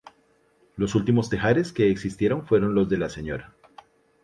Los últimos tejares que existieron fueron los de la Sra.